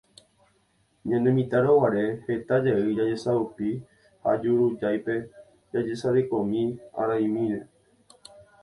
ñanemitãroguare heta jey jajesaupi ha jurujáipe jajesarekómi araimimíre.